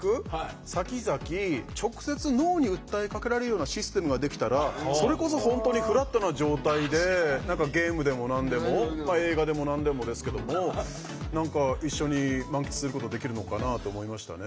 さきざき直接脳に訴えかけられるようなシステムができたらそれこそ本当にフラットな状態で何かゲームでも何でも映画でも何でもですけども何か一緒に満喫することできるのかなと思いましたね。